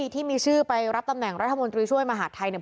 ที่มีชื่อไปรับตำแหน่งรัฐมนตรีช่วยมหาดไทยเนี่ย